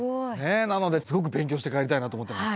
なのですごく勉強して帰りたいなと思ってます。